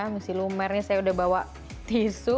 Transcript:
nusil lumer ini saya udah bawa tisu